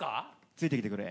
ついてきてくれ。